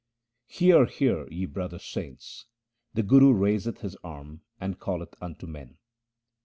Hear, hear, ye brother saints ; the Guru raiseth his arm and calleth unto men.